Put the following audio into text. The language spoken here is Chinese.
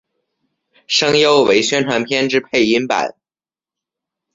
声优为宣传片之配音版。